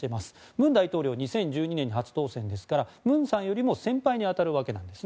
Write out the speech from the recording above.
文大統領は２０１２年に初当選ですから文さんよりも先輩に当たるわけです。